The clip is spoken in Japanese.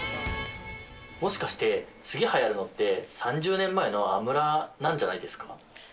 もしかして、次はやるのって、３０年前のアムラーなんじゃないですか？